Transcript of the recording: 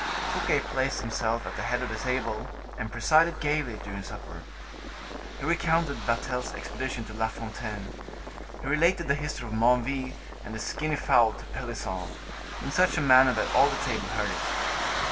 Fouquet placed himself at the head of the table, and presided gayly during supper. He recounted Vatel's expedition to La Fontaine, he related the history of Menneville and the skinny fowl to Pelisson, in such a manner that all the table heard it.